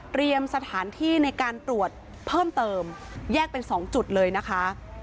สถานที่ในการตรวจเพิ่มเติมแยกเป็น๒จุดเลยนะคะ